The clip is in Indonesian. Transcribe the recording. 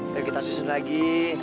yuk kita susun lagi